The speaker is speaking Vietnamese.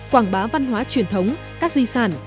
quảng bá văn hóa truyền thống các di sản